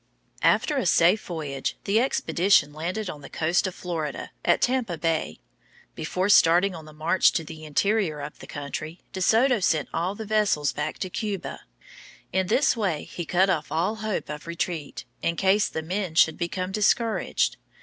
After a safe voyage, the expedition landed on the coast of Florida, at Tampa Bay. Before starting on the march to the interior of the country, De Soto sent all the vessels back to Cuba. In this way he cut off all hope of retreat, in case the men should become discouraged.